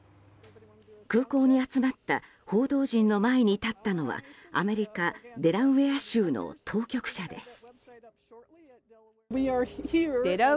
空港に集まった報道陣の前に立ったのはアメリカ・デラウェア州の当局者です。